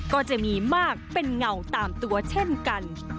ก็จะมีมากเป็นเงาตามตัวเช่นกัน